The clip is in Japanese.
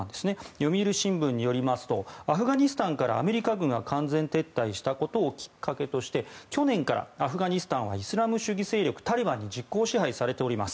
読売新聞によりますとアフガニスタンからアメリカ軍が完全撤退したことをきっかけとして去年からアフガニスタンはイスラム主義勢力タリバンに実効支配されております。